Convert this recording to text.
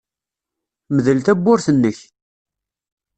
Mdel tawwurt-nnek.